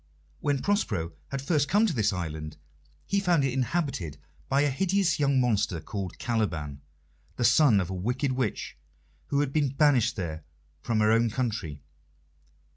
When Prospero had first come to this island, he found it inhabited by a hideous young monster called Caliban, the son of a wicked witch who had been banished there from her own country.